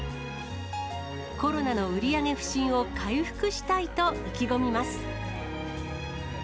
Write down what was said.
コロナの売り上げ不振を回復したいと意気込みます。